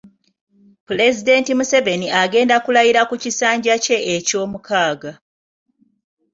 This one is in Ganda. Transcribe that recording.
Pulezidenti Yoweri Museveni agenda kulayira ku kisanja kye ekyomukaaga.